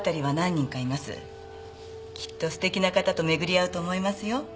きっと素敵な方と巡り会うと思いますよ。